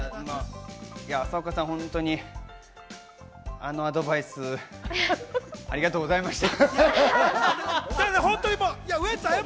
朝岡さん、本当にあのアドバイス、ありがとうございました。